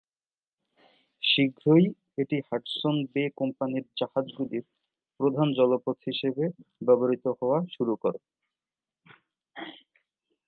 শীঘ্রই এটি Hudson Bay কোম্পানির জাহাজগুলির প্রধান জলপথ হিসেবে ব্যবহৃত হওয়া শুরু করে।